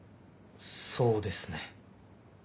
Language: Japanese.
そうですね。